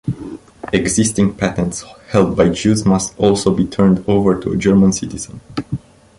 Existing patents held by Jews must also be turned over to a German citizen.